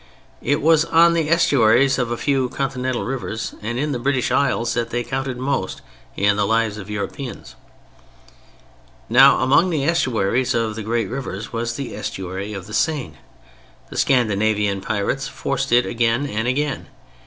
It was on the estuaries of a few continental rivers and in the British Isles that they counted most in the lives of Europeans. Now among the estuaries of the great rivers was the estuary of the Seine. The Scandinavian pirates forced it again and again.